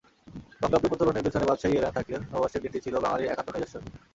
বঙ্গাব্দ প্রচলনের পেছনে বাদশাহি এলান থাকলেও নববর্ষের দিনটি ছিল বাঙালির একান্ত নিজস্ব।